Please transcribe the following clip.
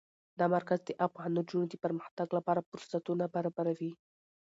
دا مرکز د افغان نجونو د پرمختګ لپاره فرصتونه برابروي.